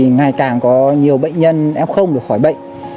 càng càng có nhiều bệnh nhân em không được khỏi bệnh